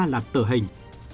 là tử hình